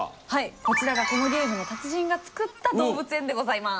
こちらがこのゲームの達人が作った動物園でございます。